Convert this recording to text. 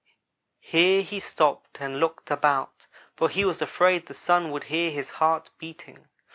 Here he stopped and looked about, for he was afraid the Sun would hear his heart beating.